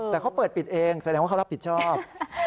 แต่เขาเปิดปิดเองแสดงว่าเขารับผิดชอบ